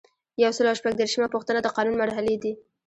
یو سل او شپږ دیرشمه پوښتنه د قانون مرحلې دي.